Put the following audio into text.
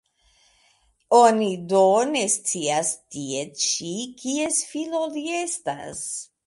Oni do ne scias tie ĉi, kies filo li estas?